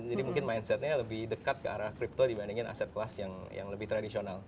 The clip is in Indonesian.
jadi mungkin mindsetnya lebih dekat ke arah crypto dibandingin aset kelas yang lebih tradisional